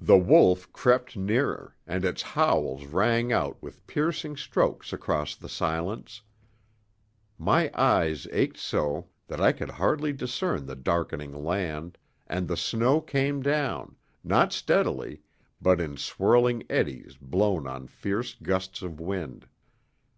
The wolf crept nearer, and its howls rang out with piercing strokes across the silence. My eyes ached so that I could hardly discern the darkening land, and the snow came down, not steadily, but in swirling eddies blown on fierce gusts of wind.